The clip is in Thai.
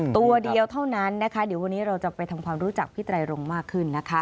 ตัวเดียวเท่านั้นนะคะเดี๋ยววันนี้เราจะไปทำความรู้จักพี่ไตรรงค์มากขึ้นนะคะ